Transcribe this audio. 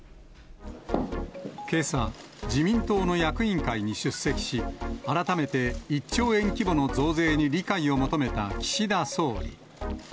けさ、自民党の役員会に出席し、改めて１兆円規模の増税に理解を求めた岸田総理。